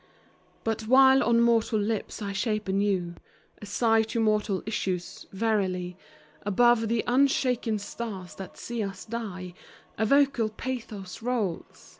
But while on mortal lips I shape anew A sigh to mortal issues, — verily Above the unshaken stars that see us die, A vocal pathos rolls